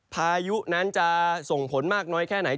พายุนั้นจะส่งผลมากน้อยแค่ไหน